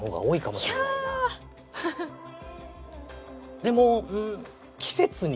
でも季節による。